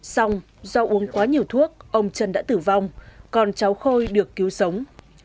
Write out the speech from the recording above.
xong do uống quá nhiều thuốc ông trân đã tử vong còn cháu khôi được cứu sống